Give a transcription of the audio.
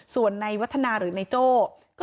ส่วนในวัฒนาหรือในโจ้